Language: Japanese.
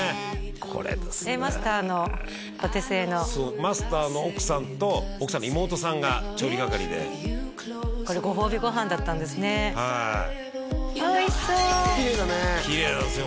これですねマスターのお手製のマスターの奥さんと奥さんの妹さんが調理係でこれご褒美ご飯だったんですねはいおいしそうきれいだねきれいなんですよ